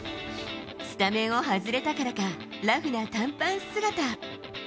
スタメンを外れたからか、ラフな短パン姿。